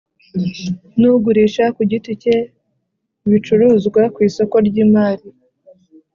nugurisha ku giti cye ibicuruzwa ku isoko ry imari